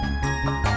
bass jangan kesepakatan